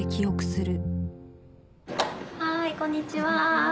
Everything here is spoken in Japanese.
はいこんにちは。